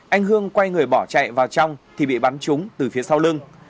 anh hương quay người bỏ chạy vào trong thì bị bắn trúng từ phía sau lưng